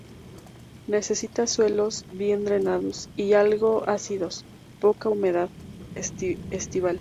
Necesita suelos bien drenados y algo ácidos, poca humedad estival.